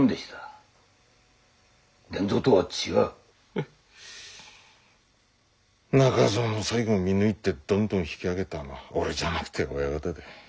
フッ中蔵の才を見抜いてどんどん引き上げたのは俺じゃなくて親方だ。